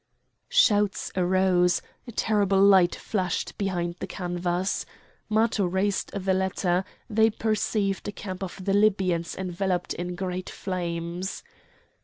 Shouts arose; a terrible light flashed behind the canvas. Matho raised the latter; they perceived the camp of the Libyans enveloped in great flames.